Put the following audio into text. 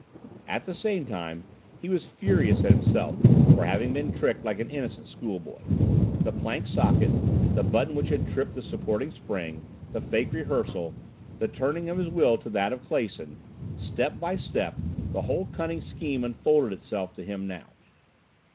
At the same time he was furious at himself for having been tricked like an innocent schoolboy. The plank socket, the button which had tripped the supporting spring, the fake rehearsal, the tuning of his will to that of Clason step by step the whole cunning scheme unfolded itself to him now.